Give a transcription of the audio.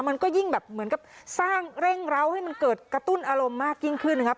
มันก็ยิ่งแบบเหมือนกับสร้างเร่งร้าวให้มันเกิดกระตุ้นอารมณ์มากยิ่งขึ้นนะครับ